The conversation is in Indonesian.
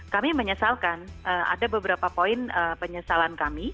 kami menyesalkan ada beberapa poin penyesalan kami